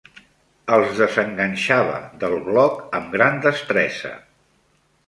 Els desenganxava del bloc amb gran destresa